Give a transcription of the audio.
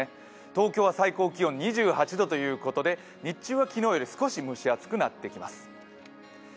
東京は最高気温２８度ということで日中は昨日より少し蒸し暑くなってきます。